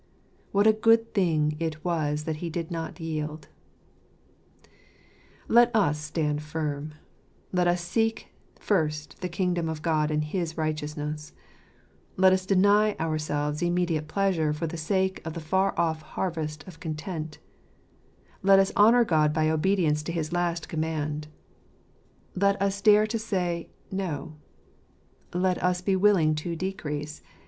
What a good thing it was that he did not yield ! Let us stand firm ; let us seek first the kingdom of God and his righteousness * let us deny ourselves immediate pleasure for the sake of the far off harvest of content; let us honour God by obedience to his least command; let us dare to say, No ; let us be willing to decrease.